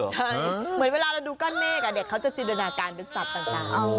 ใช่เหมือนเวลาเราดูก้อนเมฆเขาจะจินตนาการเป็นสัตว์ต่าง